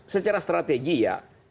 secara strategi ya